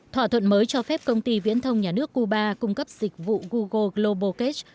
thỏa thuận mới cho phép công ty viễn thông nhà nước cuba cung cấp dịch vụ google global cach